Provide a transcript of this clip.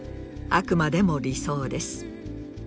あくまでも理想です。